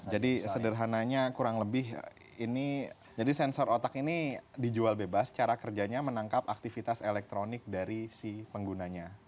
jadi sederhananya kurang lebih ini jadi sensor otak ini dijual bebas cara kerjanya menangkap aktivitas elektronik dari si penggunanya